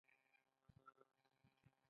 تاریخ چې هیڅکله نه مري.